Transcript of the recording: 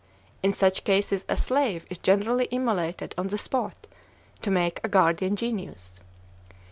In such cases a slave is generally immolated on the spot, to make a guardian genius.